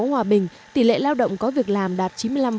thành phố hòa bình tỷ lệ lao động có việc làm đạt chín mươi năm bảy